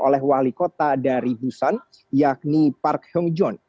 oleh wali kota dari busan yakni park hyung joon